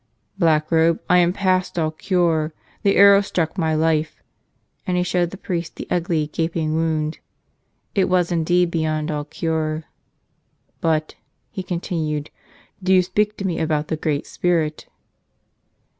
"Blackrobe, I am past all cure! The arrow struck my life." And he showed the priest the ugly, gaping wound. It was indeed beyond all cure. "But," he con¬ tinued, "do you speak to me about the Great Spirit."